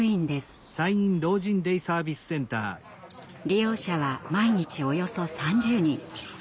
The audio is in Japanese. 利用者は毎日およそ３０人。